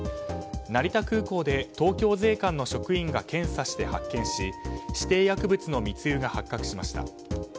成田空港で東京税関の職員が検査して発見し指定薬物の密輸が発覚しました。